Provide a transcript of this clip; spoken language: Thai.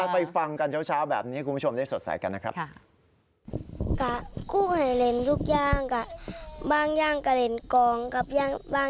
ไปฟังกันเช้าแบบนี้ให้คุณผู้ชมได้สดใสกันนะครับ